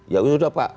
ya udah pak